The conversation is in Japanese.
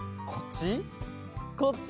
こっち？